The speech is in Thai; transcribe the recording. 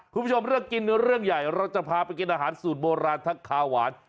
คุณผู้ชมเรื่องกินเรื่องใหญ่เราจะพาไปกินอาหารสูตรโบราณทั้งคาหวาน